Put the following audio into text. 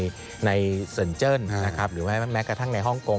จีนเจิ้นนะครับหรือว่าแม้กระทั่งในฮ่องกง